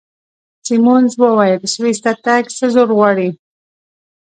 سیمونز وویل: سویس ته تګ څه زور غواړي؟